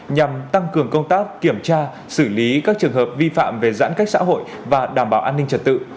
nhằm tăng cường công tác kiểm tra xử lý các trường hợp vi phạm về giãn cách xã hội và đảm bảo an ninh trật tự